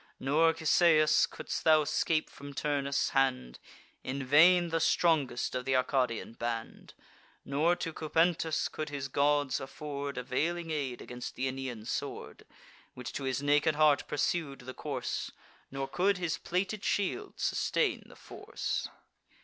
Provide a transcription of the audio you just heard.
Nor, Cisseus, couldst thou scape from Turnus' hand, In vain the strongest of th' Arcadian band: Nor to Cupentus could his gods afford Availing aid against th' Aenean sword, Which to his naked heart pursued the course; Nor could his plated shield sustain the force.